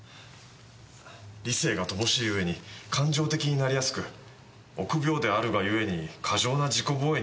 理性が乏しい上に感情的になりやすく臆病であるが故に過剰な自己防衛に走る。